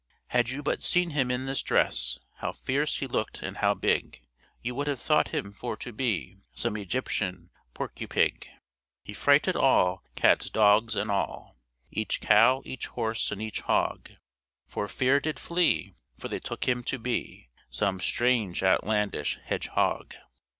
"Had you but seen him in this dress, How fierce he looked and how big, You would have thought him for to be Some Egyptian porcupig. He frighted all cats, dogs, and all, Each cow, each horse, and each hog; For fear did flee, for they took him to be Some strange outlandish hedgehog."